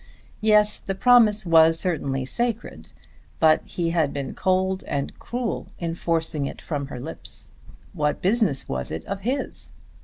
Yes; the promise was certainly sacred; but he had been cold and cruel in forcing it from her lips. What business was it of his?